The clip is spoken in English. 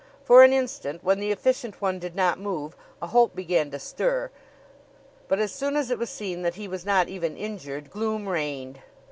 For an instant, when the Efficient one did not move, a hope began to stir; but as soon as it was seen that he was not even injured, gloom reigned.